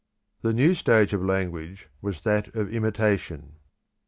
The new stage of language was that of imitation.